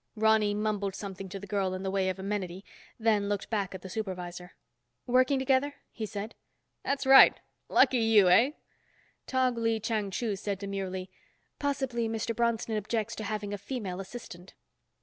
Ronny mumbled something to the girl in the way of amenity, then looked back at the supervisor. "Working together?" he said. "That's right. Lucky you, eh?" Tog Lee Chang Chu said demurely, "Possibly Mr. Bronston objects to having a female assistant."